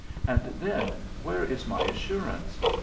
And then, where is my assurance?